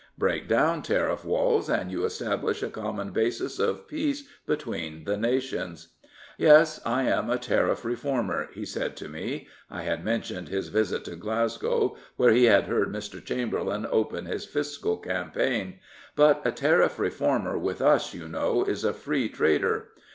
Break down tariff walls, and you establish a common basis of peace between the nations. " Yes, I am a Tariff Reformer," he said to me — I had mentioned his visit to Glasgow, where he had heard Mr. Chamberlain open his fiscal campaign —" but a Tariff Reformer with us, you know, is a Free Trader.